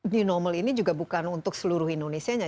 new normal ini juga bukan untuk seluruh indonesia nya